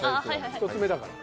１つ目だから。